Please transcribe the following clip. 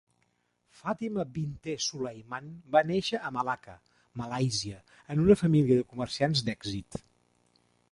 Fatimah binte Sulaiman va néixer a Malacca, Malàisia, en una família de comerciants d'èxit.